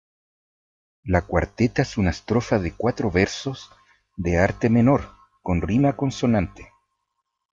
La cuarteta es una estrofa de cuatro versos de arte menor con rima consonante.